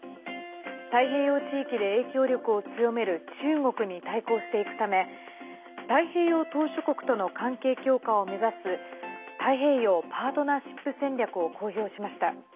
太平洋地域で影響力を強める中国に対抗していくため太平洋島しょ国との関係強化を目指す太平洋パートナーシップ戦略を公表しました。